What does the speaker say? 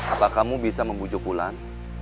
apa kamu bisa membujuk bulan